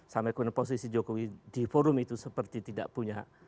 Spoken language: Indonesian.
sama dengan posisi jokowi di forum itu seperti tidak punya apa apa